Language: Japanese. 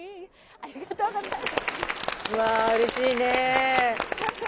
ありがとうございます。